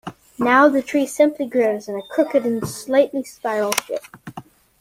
Now the tree simply grows in a crooked and slightly spiral shape.